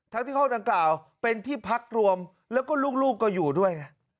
ที่ห้องดังกล่าวเป็นที่พักรวมแล้วก็ลูกก็อยู่ด้วยไง